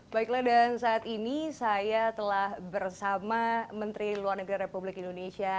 baiklah dan saat ini saya telah bersama menteri luar negeri republik indonesia